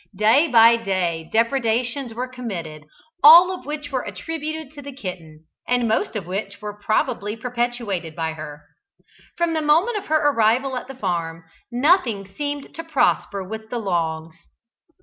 Day by day depredations were committed, all of which were attributed to the kitten, and most of which were probably perpetrated by her. From the moment of her arrival at the farm, nothing seemed to prosper with the Longs.